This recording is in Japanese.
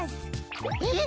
えっ？